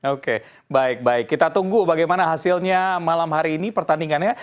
oke baik baik kita tunggu bagaimana hasilnya malam hari ini pertandingannya